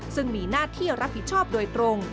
ซึ่งมีหน้าที่รับผิดชอบโดยตรง